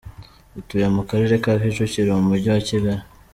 Atuye mu Karere ka Kicukiro mu Mujyi wa Kigali.